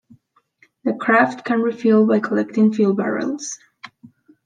The craft can refuel by collecting fuel barrels.